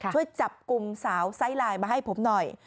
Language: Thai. ช่วยจับกลุ่มสาวไซส์ไลน์มาให้ผมหน่อย